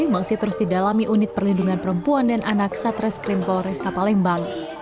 masih terus didalami unit perlindungan perempuan dan anak satres krimpol resta palembang